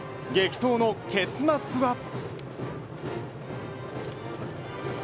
激闘の結末は。